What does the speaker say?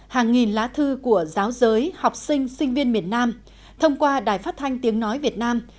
hàng nghìn lá thư của giáo giới học sinh sinh viên miền nam thông qua đài phát thanh tiếng nói việt nam